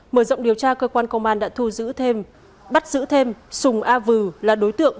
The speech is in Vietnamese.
mở rộng điều tra cơ quan công an đã thu giữ thêm bắt giữ thêm sùng a vừ là đối tượng